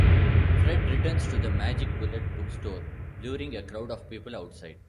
Fred returns to the Magic Bullet Bookstore, luring a crowd of people outside.